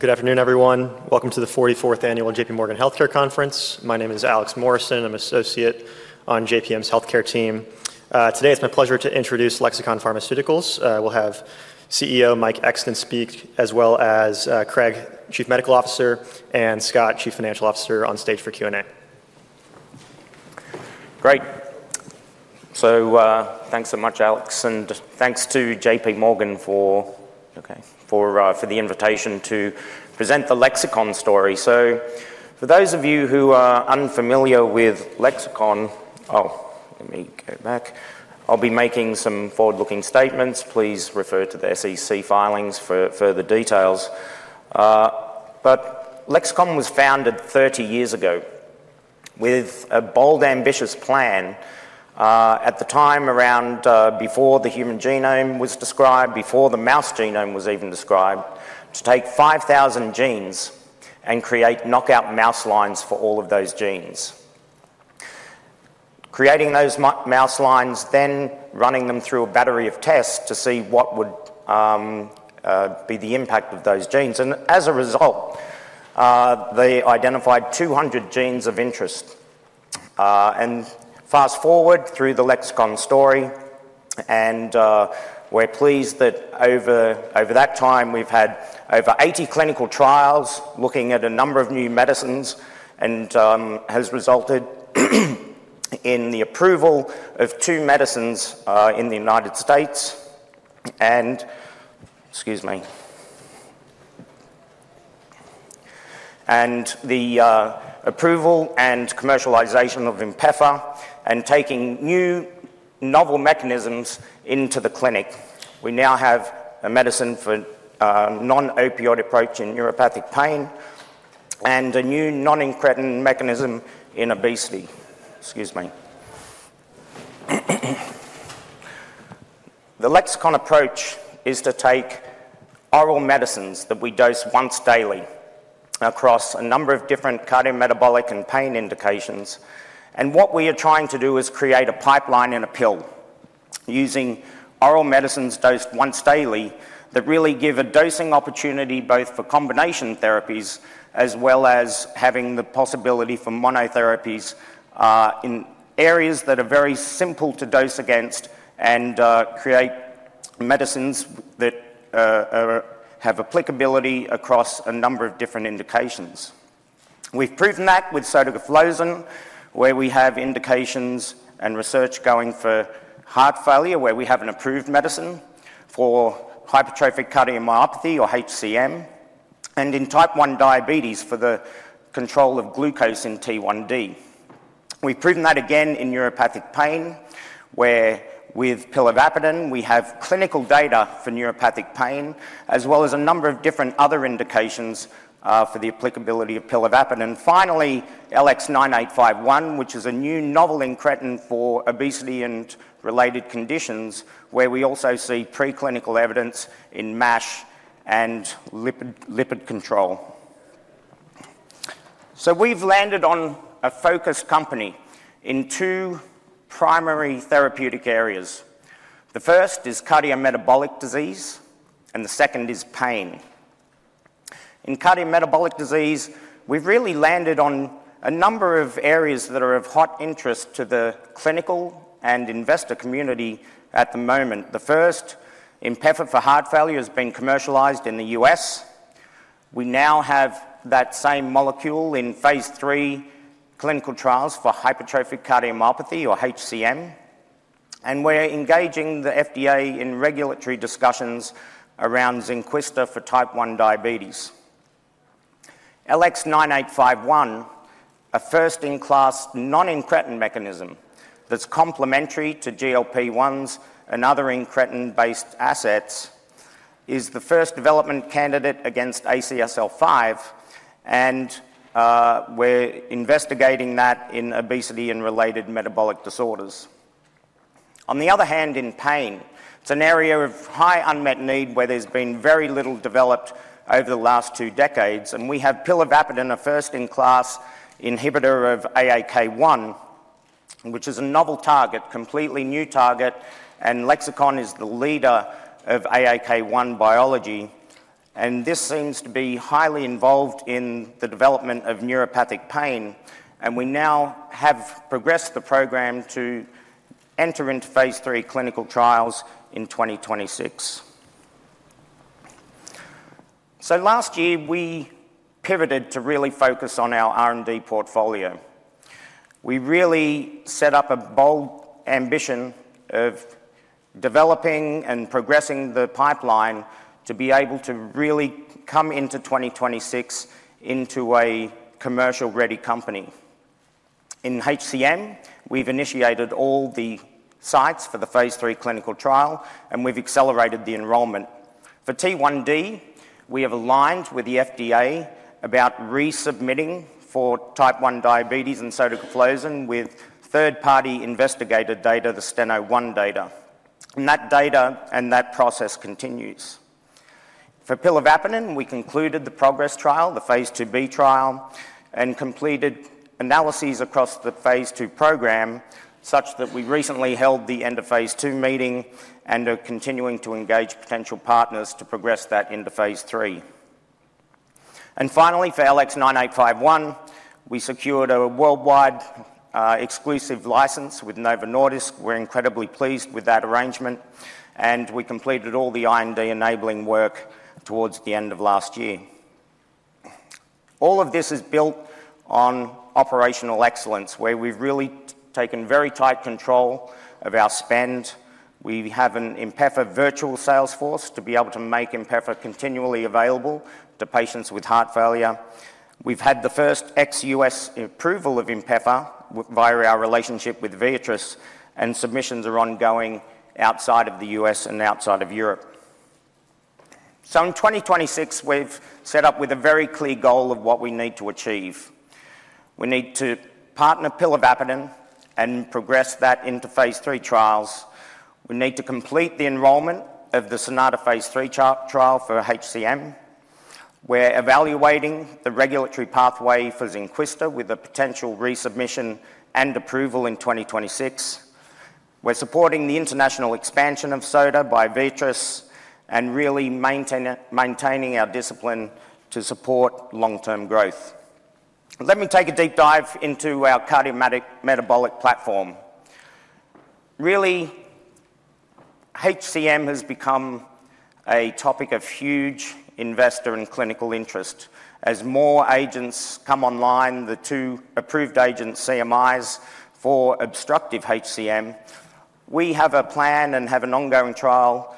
Good afternoon, everyone. Welcome to the 44th Annual J.P. Morgan Healthcare Conference. My name is Alex Morrison. I'm an associate on JPM's healthcare team. Today, it's my pleasure to introduce Lexicon Pharmaceuticals. We'll have CEO Mike Exton speak, as well as Craig, Chief Medical Officer, and Scott, CFO, on stage for Q&A. Great. So thanks so much, Alex, and thanks to J.P. Morgan for the invitation to present the Lexicon story, so for those of you who are unfamiliar with Lexicon, oh, let me go back, I'll be making some forward-looking statements. Please refer to the SEC filings for further details, but Lexicon was founded 30 years ago with a bold, ambitious plan at the time, around before the human genome was described, before the mouse genome was even described, to take 5,000 genes and create knockout mouse lines for all of those genes. Creating those mouse lines, then running them through a battery of tests to see what would be the impact of those genes, and as a result, they identified 200 genes of interest. Fast forward through the Lexicon story, and we're pleased that over that time, we've had over 80 clinical trials looking at a number of new medicines, and has resulted in the approval of two medicines in the United States. And, excuse me, and the approval and commercialization of INPEFA, and taking new, novel mechanisms into the clinic. We now have a medicine for non-opioid approach in neuropathic pain, and a new non-incretin mechanism in obesity. Excuse me. The Lexicon approach is to take oral medicines that we dose once daily across a number of different cardiometabolic and pain indications. What we are trying to do is create a pipeline and a pill using oral medicines dosed once daily that really give a dosing opportunity both for combination therapies, as well as having the possibility for monotherapies in areas that are very simple to dose against, and create medicines that have applicability across a number of different indications. We've proven that with sotagliflozin, where we have indications and research going for heart failure, where we have an approved medicine for hypertrophic cardiomyopathy, or HCM, and in type 1 diabetes for the control of glucose in T1D. We've proven that again in neuropathic pain, where with pilavapadin we have clinical data for neuropathic pain, as well as a number of different other indications for the applicability of pilavapadin. Finally, LX9851, which is a new, novel non-incretin for obesity and related conditions, where we also see preclinical evidence in MASH and lipid control. So we've landed on a focused company in two primary therapeutic areas. The first is cardiometabolic disease, and the second is pain. In cardiometabolic disease, we've really landed on a number of areas that are of hot interest to the clinical and investor community at the moment. The first, INPEFA for heart failure, has been commercialized in the U.S. We now have that same molecule in phase III clinical trials for hypertrophic cardiomyopathy, or HCM. And we're engaging the FDA in regulatory discussions around Zynquista for type 1 diabetes. LX9851, a first-in-class non-incretin mechanism that's complementary to GLP-1s and other incretin-based assets, is the first development candidate against ACSL5, and we're investigating that in obesity and related metabolic disorders. On the other hand, in pain, it's an area of high unmet need where there's been very little developed over the last two decades. And we have pilavapadin, a first-in-class inhibitor of AAK1, which is a novel target, completely new target, and Lexicon is the leader of AAK1 biology. And this seems to be highly involved in the development of neuropathic pain. And we now have progressed the program to enter into phase III clinical trials in 2026. So last year, we pivoted to really focus on our R&D portfolio. We really set up a bold ambition of developing and progressing the pipeline to be able to really come into 2026 into a commercial-ready company. In HCM, we've initiated all the sites for the phase III clinical trial, and we've accelerated the enrollment. For T1D, we have aligned with the FDA about resubmitting for type 1 diabetes and sotagliflozin with third-party investigator data, the Steno-1 data. That data and that process continues. For pilavapadin, we concluded the PROGRESS trial, the phase II trial, and completed analyses across the phase II program, such that we recently held the end-of-phase II meeting and are continuing to engage potential partners to progress that into phase III. Finally, for LX9851, we secured a worldwide exclusive license with Novo Nordisk. We're incredibly pleased with that arrangement. We completed all the R&D enabling work towards the end of last year. All of this is built on operational excellence, where we've really taken very tight control of our spend. We have an INPEFA virtual sales force to be able to make INPEFA continually available to patients with heart failure. We've had the first ex-U.S. approval of INPEFA via our relationship with Viatris, and submissions are ongoing outside of the U.S. and outside of Europe. So in 2026, we've set up with a very clear goal of what we need to achieve. We need to partner pilavapadin and progress that into phase III trials. We need to complete the enrollment of the SONATA phase III trial for HCM. We're evaluating the regulatory pathway for Zynquista with a potential resubmission and approval in 2026. We're supporting the international expansion of sotagliflozin by Viatris and really maintaining our discipline to support long-term growth. Let me take a deep dive into our cardiometabolic platform. Really, HCM has become a topic of huge investor and clinical interest. As more agents come online, the two approved agents, CMIs, for obstructive HCM. We have a plan and have an ongoing trial,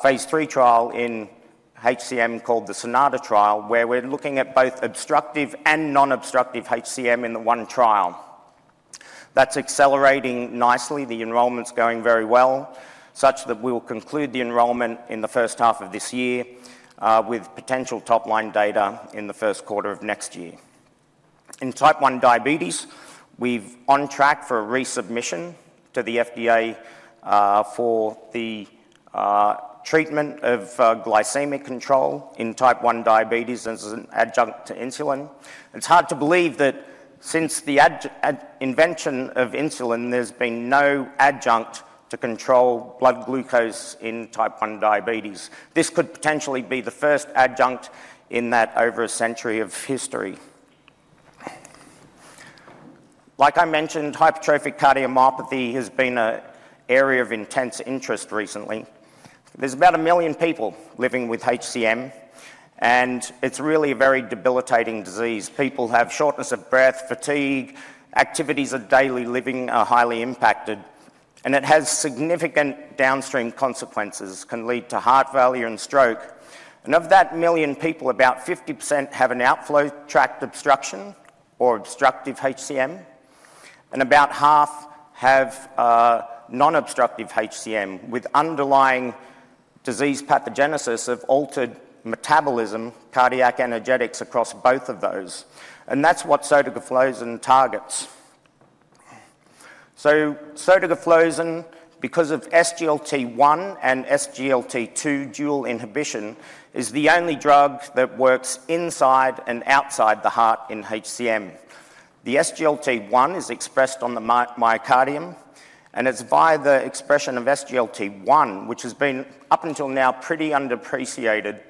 phase III trial in HCM called the SONATA trial, where we're looking at both obstructive and non-obstructive HCM in the one trial. That's accelerating nicely. The enrollment's going very well, such that we will conclude the enrollment in the first half of this year with potential top-line data in the first quarter of next year. In type 1 diabetes, we're on track for a resubmission to the FDA for the treatment of glycemic control in type 1 diabetes as an adjunct to insulin. It's hard to believe that since the invention of insulin, there's been no adjunct to control blood glucose in type 1 diabetes. This could potentially be the first adjunct in that over a century of history. Like I mentioned, hypertrophic cardiomyopathy has been an area of intense interest recently. There's about a million people living with HCM, and it's really a very debilitating disease. People have shortness of breath and fatigue. Activities of daily living are highly impacted, and it has significant downstream consequences. It can lead to heart failure and stroke, and of that million people, about 50% have an outflow tract obstruction or obstructive HCM, and about half have non-obstructive HCM with underlying disease pathogenesis of altered metabolism, cardiac energetics across both of those, and that's what sotagliflozin targets. Sotagliflozin, because of SGLT1 and SGLT2 dual inhibition, is the only drug that works inside and outside the heart in HCM. The SGLT1 is expressed on the myocardium, and it's via the expression of SGLT1, which has been up until now pretty underappreciated,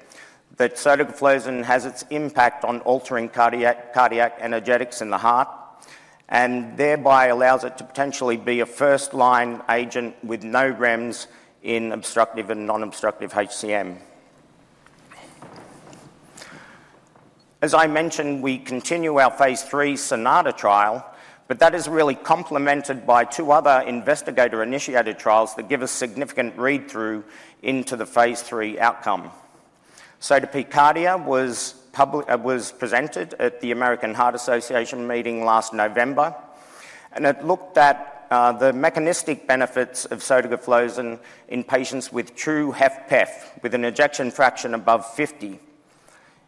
that sotagliflozin has its impact on altering cardiac energetics in the heart, and thereby allows it to potentially be a first-line agent with no REMS in obstructive and non-obstructive HCM. As I mentioned, we continue our phase III SONATA trial, but that is really complemented by two other investigator-initiated trials that give us significant read-through into the phase III outcome. SOTA-P-CARDIA was presented at the American Heart Association meeting last November, and it looked at the mechanistic benefits of sotagliflozin in patients with true HFpEF, with an ejection fraction above 50.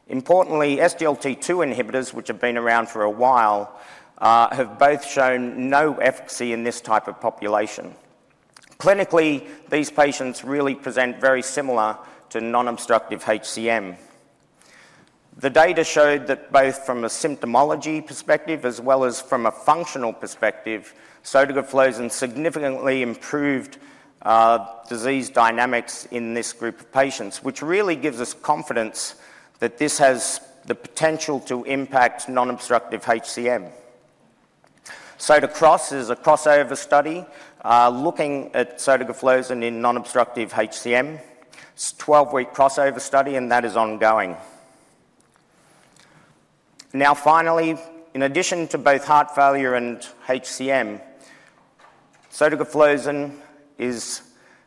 Importantly, SGLT2 inhibitors, which have been around for a while, have both shown no efficacy in this type of population. Clinically, these patients really present very similar to non-obstructive HCM. The data showed that both from a symptomology perspective as well as from a functional perspective, sotagliflozin significantly improved disease dynamics in this group of patients, which really gives us confidence that this has the potential to impact non-obstructive HCM. SOTA-CROSS is a crossover study looking at sotagliflozin in non-obstructive HCM. It's a 12-week crossover study, and that is ongoing. Now, finally, in addition to both heart failure and HCM, sotagliflozin is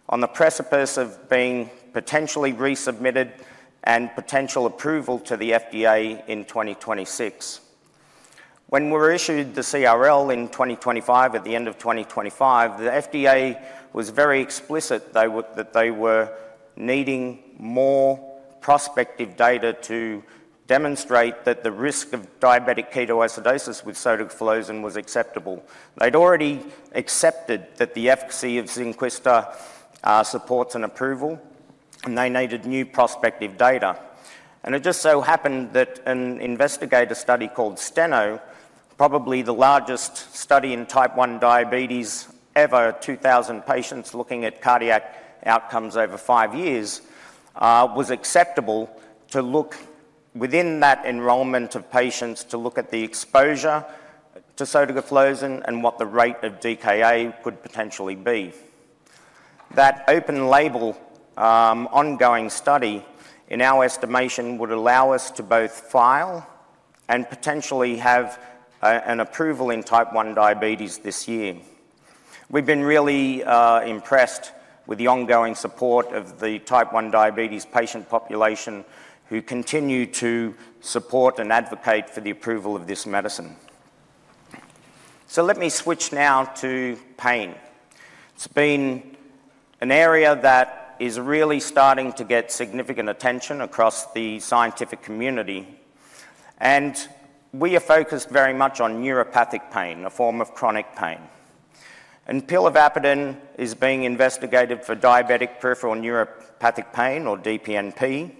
on the precipice of being potentially resubmitted and potential approval to the FDA in 2026. When we were issued the CRL in 2025, at the end of 2025, the FDA was very explicit that they were needing more prospective data to demonstrate that the risk of diabetic ketoacidosis with sotagliflozin was acceptable. They'd already accepted that the efficacy of Zynquista supports an approval, and they needed new prospective data. It just so happened that an investigator study called Steno, probably the largest study in type 1 diabetes ever, 2,000 patients looking at cardiac outcomes over five years, was acceptable to look within that enrollment of patients to look at the exposure to sotagliflozin and what the rate of DKA could potentially be. That open-label ongoing study, in our estimation, would allow us to both file and potentially have an approval in type 1 diabetes this year. We've been really impressed with the ongoing support of the type 1 diabetes patient population who continue to support and advocate for the approval of this medicine. Let me switch now to pain. It's been an area that is really starting to get significant attention across the scientific community. We are focused very much on neuropathic pain, a form of chronic pain. Pilavapadin is being investigated for diabetic peripheral neuropathic pain, or DPNP,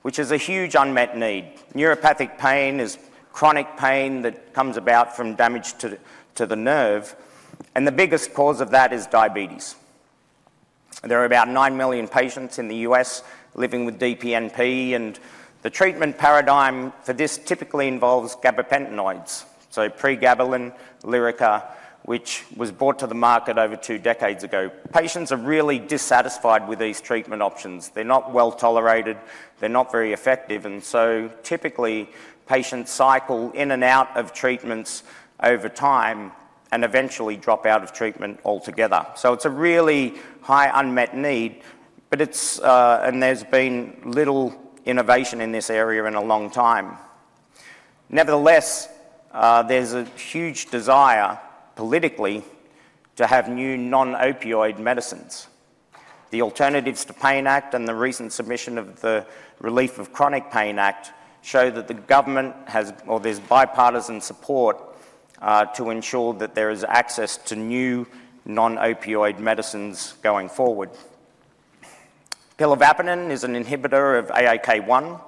which is a huge unmet need. Neuropathic pain is chronic pain that comes about from damage to the nerve. The biggest cause of that is diabetes. There are about nine million patients in the U.S. living with DPNP, and the treatment paradigm for this typically involves gabapentinoids, so pregabalin, Lyrica, which was brought to the market over two decades ago. Patients are really dissatisfied with these treatment options. They're not well tolerated. They're not very effective. Typically, patients cycle in and out of treatments over time and eventually drop out of treatment altogether. It's a really high unmet need, and there's been little innovation in this area in a long time. Nevertheless, there's a huge desire politically to have new non-opioid medicines. The Alternatives to Pain Act and the recent submission of the Relief of Chronic Pain Act show that the government has, or there's bipartisan support, to ensure that there is access to new non-opioid medicines going forward. Pilavapadin is an inhibitor of AAK1,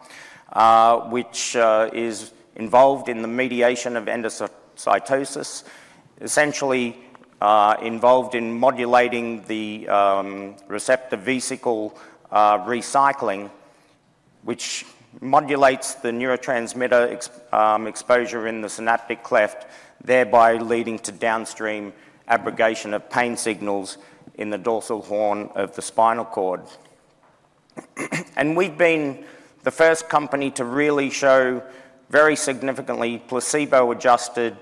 which is involved in the mediation of endocytosis, essentially involved in modulating the receptor vesicle recycling, which modulates the neurotransmitter exposure in the synaptic cleft, thereby leading to downstream abrogation of pain signals in the dorsal horn of the spinal cord. And we've been the first company to really show very significantly placebo-adjusted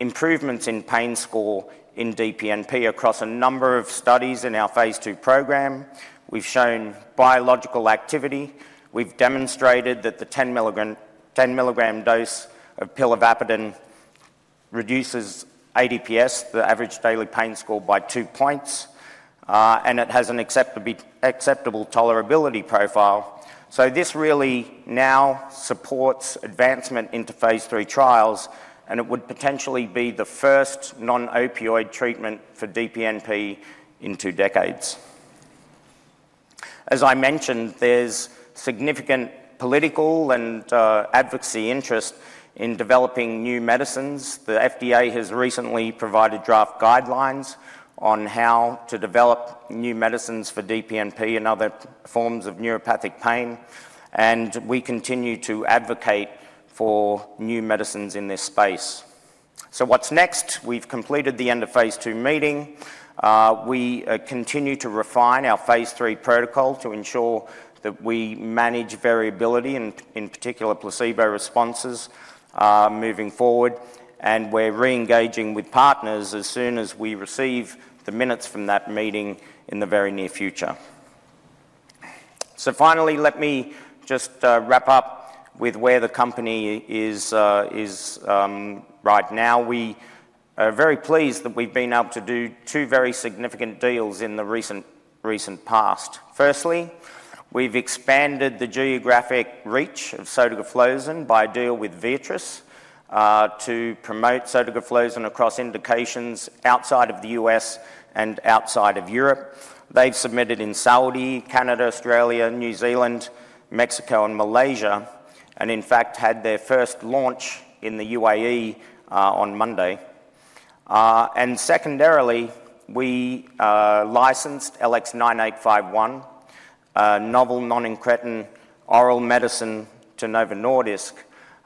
improvements in pain score in DPNP across a number of studies in our phase II program. We've shown biological activity. We've demonstrated that the 10-milligram dose of pilavapadin reduces ADPS, the average daily pain score, by two points. And it has an acceptable tolerability profile. So this really now supports advancement into phase III trials, and it would potentially be the first non-opioid treatment for DPNP in two decades. As I mentioned, there's significant political and advocacy interest in developing new medicines. The FDA has recently provided draft guidelines on how to develop new medicines for DPNP and other forms of neuropathic pain. And we continue to advocate for new medicines in this space. So what's next? We've completed the end of phase II meeting. We continue to refine our phase III protocol to ensure that we manage variability, in particular, placebo responses moving forward. And we're re-engaging with partners as soon as we receive the minutes from that meeting in the very near future. So finally, let me just wrap up with where the company is right now. We are very pleased that we've been able to do two very significant deals in the recent past. Firstly, we've expanded the geographic reach of sotagliflozin by a deal with Viatris to promote sotagliflozin across indications outside of the US and outside of Europe. They've submitted in Saudi, Canada, Australia, New Zealand, Mexico, and Malaysia, and in fact had their first launch in the UAE on Monday. And secondarily, we licensed LX9851, a novel non-incretin oral medicine to Novo Nordisk.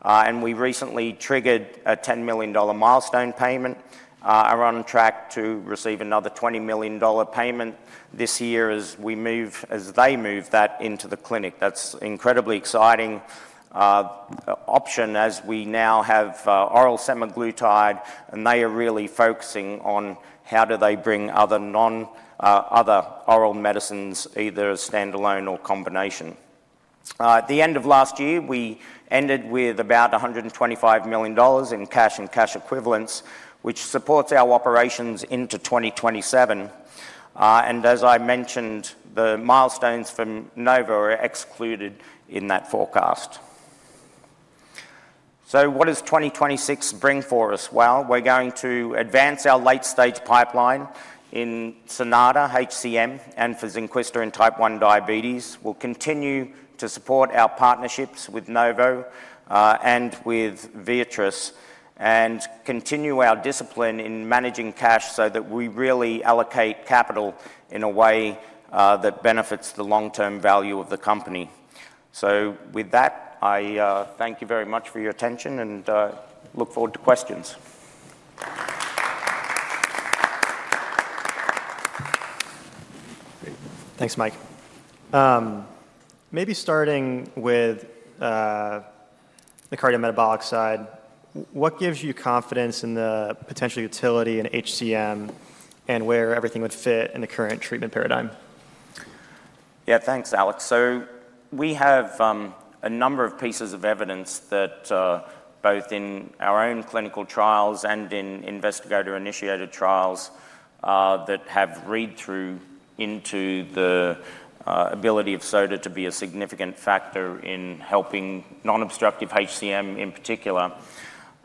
And we recently triggered a $10 million milestone payment. We're on track to receive another $20 million payment this year as we move, as they move that into the clinic. That's an incredibly exciting option as we now have oral semaglutide, and they are really focusing on how do they bring other oral medicines, either as standalone or combination. At the end of last year, we ended with about $125 million in cash and cash equivalents, which supports our operations into 2027. And as I mentioned, the milestones from Novo are excluded in that forecast. So what does 2026 bring for us? Well, we're going to advance our late-stage pipeline in SONATA, HCM, and for Zynquista in type 1 diabetes. We'll continue to support our partnerships with Novo and with Viatris and continue our discipline in managing cash so that we really allocate capital in a way that benefits the long-term value of the company. So with that, I thank you very much for your attention and look forward to questions. Thanks, Mike. Maybe starting with the cardiometabolic side, what gives you confidence in the potential utility in HCM and where everything would fit in the current treatment paradigm? Yeah, thanks, Alex. So we have a number of pieces of evidence that both in our own clinical trials and in investigator-initiated trials that have read-through into the ability of sota to be a significant factor in helping non-obstructive HCM in particular.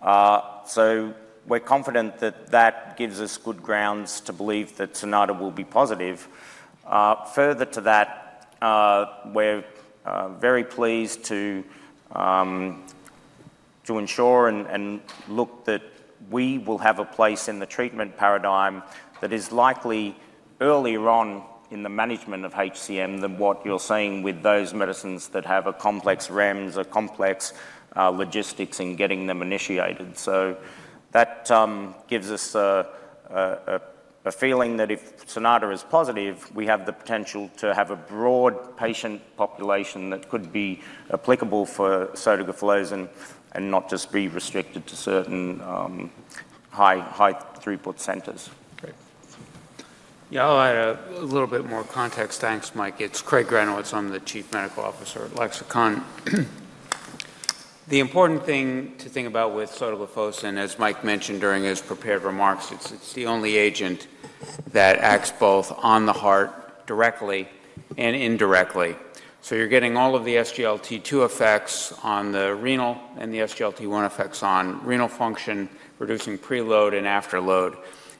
So we're confident that that gives us good grounds to believe that SONATA will be positive. Further to that, we're very pleased to ensure and look that we will have a place in the treatment paradigm that is likely earlier on in the management of HCM than what you're seeing with those medicines that have a complex REMS, a complex logistics in getting them initiated. So that gives us a feeling that if SONATA is positive, we have the potential to have a broad patient population that could be applicable for sotagliflozin and not just be restricted to certain high-throughput centers. Great. Yeah, I'll add a little bit more context. Thanks, Mike. It's Craig Granowitz. I'm the chief medical officer at Lexicon. The important thing to think about with sotagliflozin, as Mike mentioned during his prepared remarks, it's the only agent that acts both on the heart directly and indirectly. So you're getting all of the SGLT2 effects on the renal and the SGLT1 effects on renal function, reducing preload and afterload,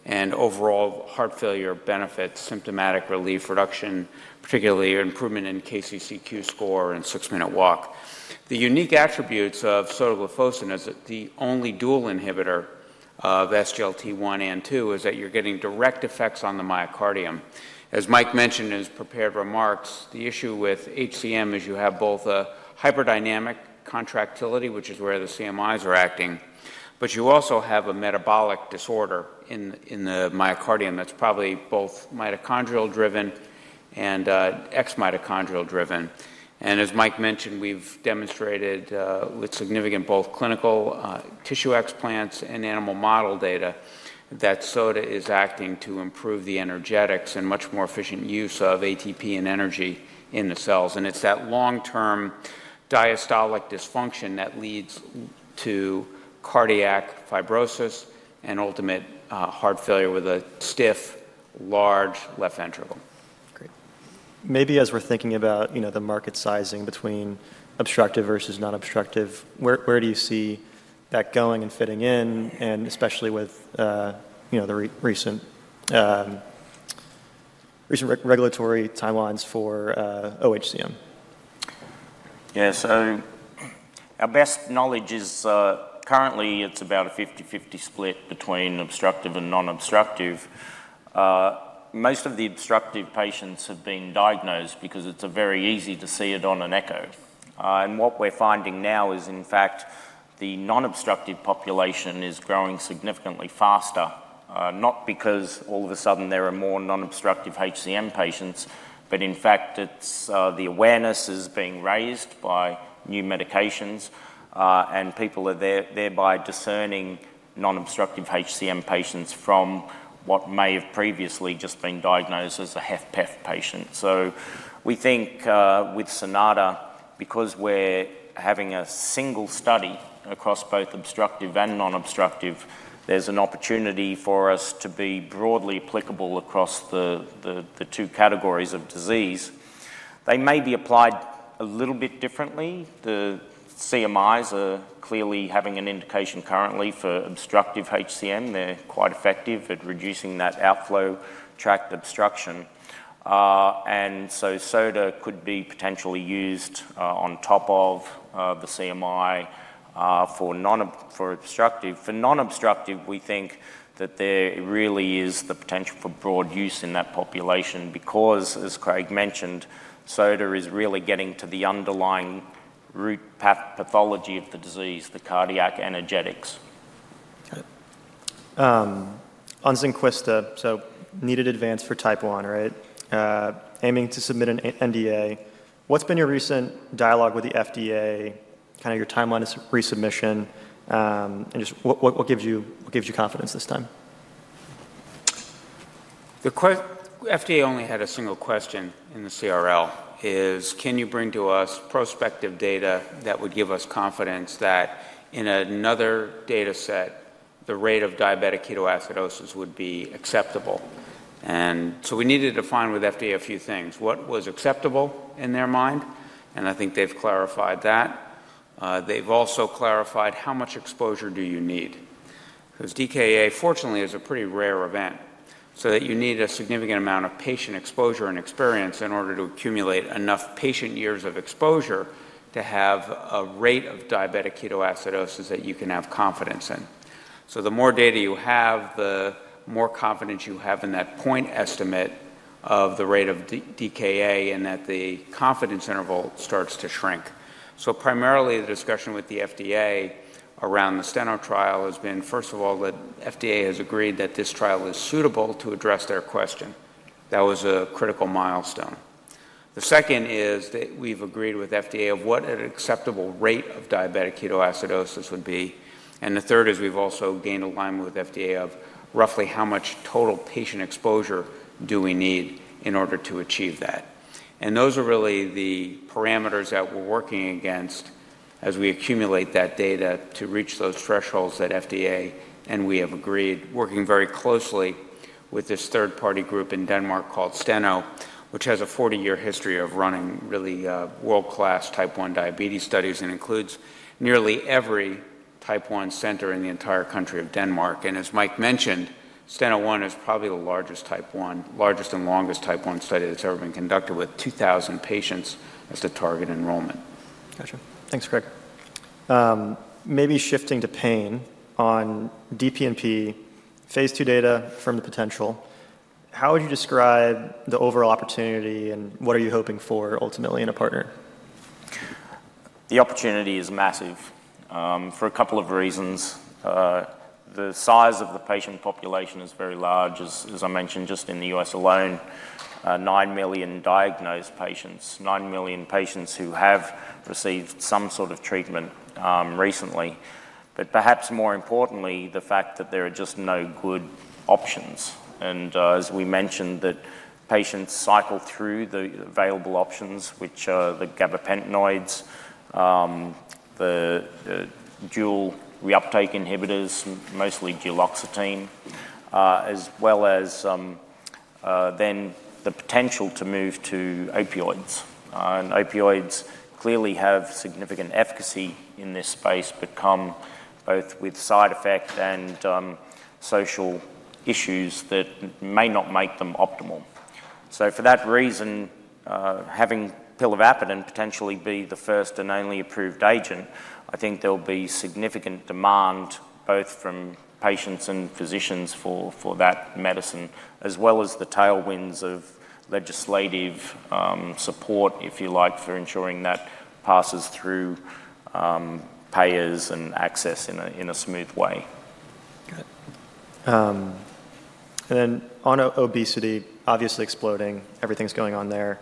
and overall heart failure benefits, symptomatic relief reduction, particularly improvement in KCCQ score and six-minute walk. The unique attributes of sotagliflozin as the only dual inhibitor of SGLT1 and 2 is that you're getting direct effects on the myocardium. As Mike mentioned in his prepared remarks, the issue with HCM is you have both a hyperdynamic contractility, which is where the CMIs are acting, but you also have a metabolic disorder in the myocardium that's probably both mitochondrial-driven and ex-mitochondrial-driven. As Mike mentioned, we've demonstrated with significant both clinical tissue explants and animal model data that sota is acting to improve the energetics and much more efficient use of ATP and energy in the cells. It's that long-term diastolic dysfunction that leads to cardiac fibrosis and ultimate heart failure with a stiff, large left ventricle. Great. Maybe as we're thinking about the market sizing between obstructive versus non-obstructive, where do you see that going and fitting in, and especially with the recent regulatory timelines for oHCM? Yeah, so our best knowledge is currently it's about a 50/50 split between obstructive and non-obstructive. Most of the obstructive patients have been diagnosed because it's very easy to see it on an echo. And what we're finding now is, in fact, the non-obstructive population is growing significantly faster, not because all of a sudden there are more non-obstructive HCM patients, but in fact, the awareness is being raised by new medications, and people are thereby discerning non-obstructive HCM patients from what may have previously just been diagnosed as a HFpEF patient. So we think with SONATA, because we're having a single study across both obstructive and non-obstructive, there's an opportunity for us to be broadly applicable across the two categories of disease. They may be applied a little bit differently. The CMIs are clearly having an indication currently for obstructive HCM. They're quite effective at reducing that outflow tract obstruction. And so sota could be potentially used on top of the CMI for obstructive. For non-obstructive, we think that there really is the potential for broad use in that population because, as Craig mentioned, sota is really getting to the underlying root pathology of the disease, the cardiac energetics. On Zynquista, so needed for type 1, right? Aiming to submit an NDA. What's been your recent dialogue with the FDA? Kind of, your timeline of resubmission and just what gives you confidence this time? The FDA only had a single question in the CRL is: Can you bring to us prospective data that would give us confidence that in another data set, the rate of diabetic ketoacidosis would be acceptable? And so we needed to find with FDA a few things. What was acceptable in their mind? And I think they've clarified that. They've also clarified how much exposure do you need? Because DKA, fortunately, is a pretty rare event, so that you need a significant amount of patient exposure and experience in order to accumulate enough patient years of exposure to have a rate of diabetic ketoacidosis that you can have confidence in. So the more data you have, the more confidence you have in that point estimate of the rate of DKA and that the confidence interval starts to shrink. Primarily, the discussion with the FDA around the Steno trial has been, first of all, that FDA has agreed that this trial is suitable to address their question. That was a critical milestone. The second is that we've agreed with FDA of what an acceptable rate of diabetic ketoacidosis would be. And the third is we've also gained alignment with FDA of roughly how much total patient exposure do we need in order to achieve that. And those are really the parameters that we're working against as we accumulate that data to reach those thresholds that FDA and we have agreed, working very closely with this third-party group in Denmark called Steno, which has a 40-year history of running really world-class type 1 diabetes studies and includes nearly every type 1 center in the entire country of Denmark. As Mike mentioned, Steno-1 is probably the largest type 1, largest and longest type 1 study that's ever been conducted with 2,000 patients as the target enrollment. Gotcha. Thanks, Craig. Maybe shifting to pain on DPNP, phase II data from the potential, how would you describe the overall opportunity and what are you hoping for ultimately in a partner? The opportunity is massive for a couple of reasons. The size of the patient population is very large, as I mentioned, just in the U.S. alone, 9 million diagnosed patients, 9 million patients who have received some sort of treatment recently, but perhaps more importantly, the fact that there are just no good options, and as we mentioned, that patients cycle through the available options, which are the gabapentinoids, the dual reuptake inhibitors, mostly duloxetine, as well as then the potential to move to opioids, and opioids clearly have significant efficacy in this space, but come both with side effects and social issues that may not make them optimal. So for that reason, having Pilavapadin potentially be the first and only approved agent, I think there'll be significant demand both from patients and physicians for that medicine, as well as the tailwinds of legislative support, if you like, for ensuring that passes through payers and access in a smooth way. Got it. And then on obesity, obviously exploding, everything's going on there.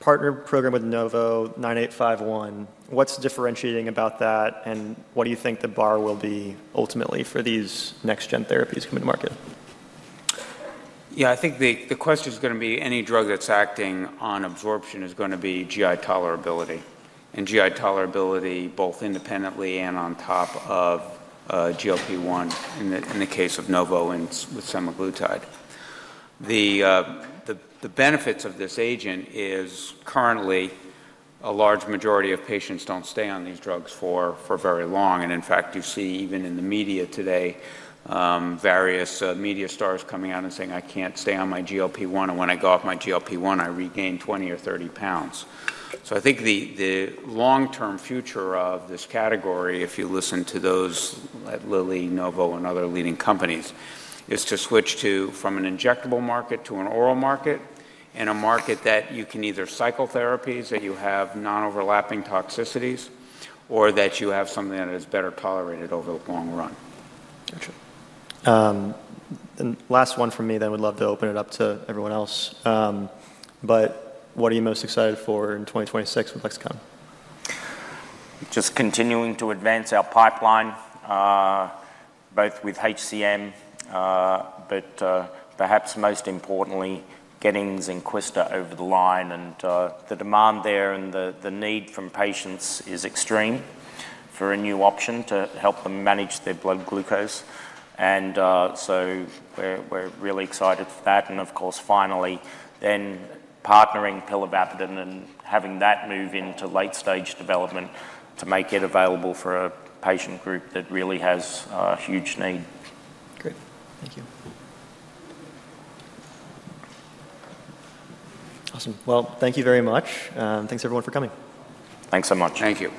Partner program with Novo LX9851. What's differentiating about that and what do you think the bar will be ultimately for these next-gen therapies coming to market? Yeah, I think the question is going to be any drug that's acting on absorption is going to be GI tolerability, and GI tolerability both independently and on top of GLP-1 in the case of Novo with semaglutide. The benefits of this agent is currently a large majority of patients don't stay on these drugs for very long. In fact, you see even in the media today, various media stars coming out and saying, "I can't stay on my GLP-1, and when I go off my GLP-1, I regain 20 or 30 pounds." So I think the long-term future of this category, if you listen to those at Lilly, Novo, and other leading companies, is to switch from an injectable market to an oral market and a market that you can either cycle therapies that you have non-overlapping toxicities or that you have something that is better tolerated over the long run. Gotcha. And last one from me, then we'd love to open it up to everyone else. But what are you most excited for in 2026 with Lexicon? Just continuing to advance our pipeline, both with HCM, but perhaps most importantly, getting Zynquista over the line. The demand there and the need from patients is extreme for a new option to help them manage their blood glucose. We're really excited for that. Of course, finally, then partnering pilavapadin and having that move into late-stage development to make it available for a patient group that really has a huge need. Great. Thank you. Awesome. Well, thank you very much. Thanks, everyone, for coming. Thanks so much. Thank you.